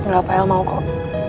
gak apa apa el mau kok